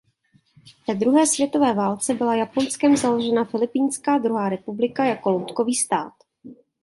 Ve druhé světové válce byla Japonskem založena Filipínská druhá republika jako loutkový stát.